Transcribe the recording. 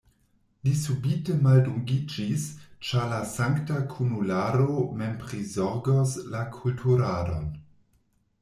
Li subite maldungiĝis, ĉar la sankta kunularo mem prizorgos la kulturadon.